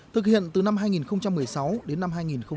thực hiện từ năm hai nghìn một mươi sáu đến năm hai nghìn hai mươi